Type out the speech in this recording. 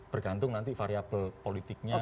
bergantung nanti variabel politiknya